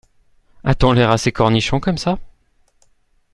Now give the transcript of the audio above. A-t-on l’air assez cornichon comme ça !